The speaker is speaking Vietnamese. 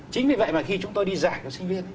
chính vì vậy mà khi chúng tôi đi giải cho sinh viên